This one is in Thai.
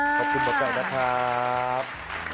ขอบคุณทุกคนนะครับ